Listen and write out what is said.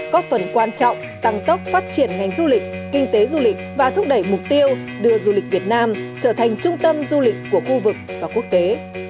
có phần quan trọng tăng tốc phát triển ngành du lịch kinh tế du lịch và thúc đẩy mục tiêu đưa du lịch việt nam trở thành trung tâm du lịch của khu vực và quốc tế